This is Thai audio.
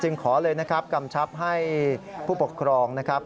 ขอเลยนะครับกำชับให้ผู้ปกครองนะครับ